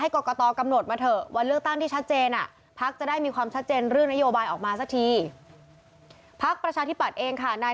เคารพความเป็นจริงที่เกิดขึ้น